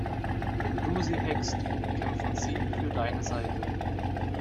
Wenn du sie hackst, kämpfen sie für deine Seite.